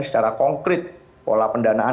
secara konkret pola pendanaan